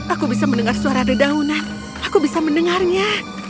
aku bisa mendengar suara dedaunan aku bisa mendengarnya